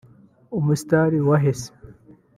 umusitari wahe se